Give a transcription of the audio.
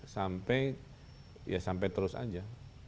sampai ya sampai terus aja